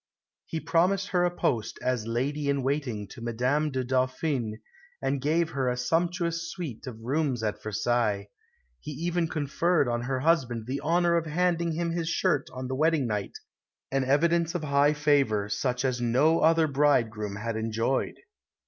He promised her a post as lady in waiting to Madame la Dauphine and gave her a sumptuous suite of rooms at Versailles. He even conferred on her husband the honour of handing him his shirt on the wedding night, an evidence of high favour such as no other bridegroom had enjoyed.